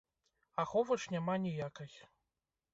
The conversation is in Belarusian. Аховы ж няма ніякай.